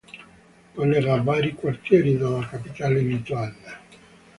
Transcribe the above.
Collega vari quartieri della capitale lituana.